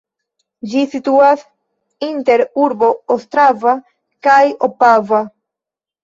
Ĝi situas inter urboj Ostrava kaj Opava.